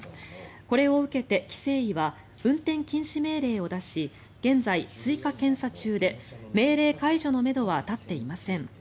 これを受けて規制委は運転禁止命令を出し現在、追加検査中で命令解除のめどは立っていません。